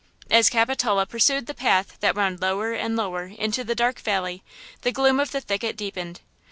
As Capitola pursued the path that wound lower and lower into the dark valley the gloom of the thicket deepened.